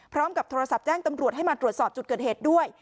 พร้อมกับโทรศัพท์แจ้งตำรวจให้มาตรวจสอบจุดเกิดเหตุด้วย